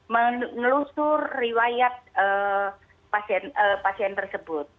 mengelusur riwayat pasien tersebut